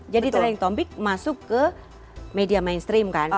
jadi trending topic masuk ke media mainstream kan